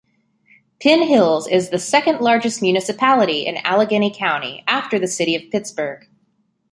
Penn Hills is the second-largest municipality in Allegheny County, after the city of Pittsburgh.